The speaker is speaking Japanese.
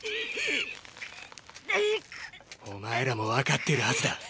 お前らもわかっているハズだ。